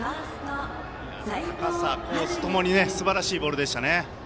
高さ、コースともにすばらしいボールでしたね。